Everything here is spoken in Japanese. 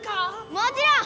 もちろん！